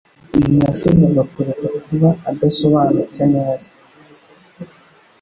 Ntiyashoboraga kureka kuba adasobanutse neza.